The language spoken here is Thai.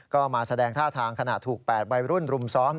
ก็มาแสดงท่าทางขณะถูก๘วัยรุ่นรุมซ้อม